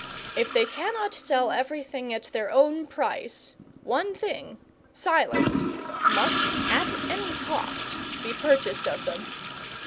If they cannot sell everything at their own price, one thing silence must, at any cost, be purchased of them.